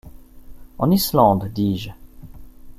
En Islande, dis-je.